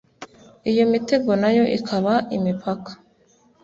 iyo mitego nayo ikaba imipaka